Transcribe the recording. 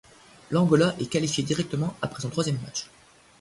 L'Angola est qualifié directement après son troisième match.